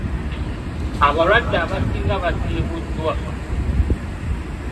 Abalwadde abasinga basiibuddwa.